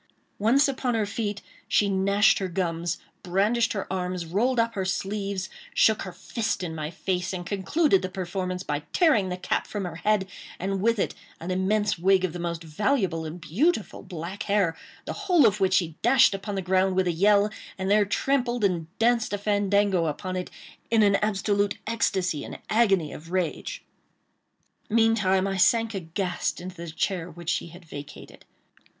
Once upon her feet, she gnashed her gums, brandished her arms, rolled up her sleeves, shook her fist in my face, and concluded the performance by tearing the cap from her head, and with it an immense wig of the most valuable and beautiful black hair, the whole of which she dashed upon the ground with a yell, and there trammpled and danced a fandango upon it, in an absolute ecstasy and agony of rage. Meantime I sank aghast into the chair which she had vacated.